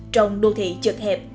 trong đô thị chật hẹp